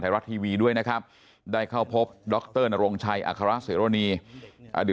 รัฐทีวีด้วยนะครับได้เข้าพบดรนโรงชัยอัครเสรณีอดีต